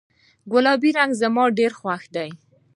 ګلابي رنګ زما ډیر خوښ ده